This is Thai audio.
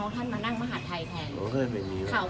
ท่านมานั่งมหาดไทยแทน